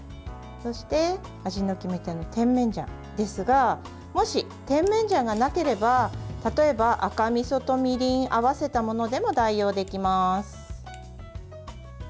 そして、味の決め手の甜麺醤ですがもし甜麺醤がなければ、例えば赤みそとみりん合わせたものでも代用できます。